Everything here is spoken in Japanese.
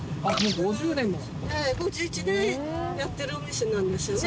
５１年やってるお店なんですよね。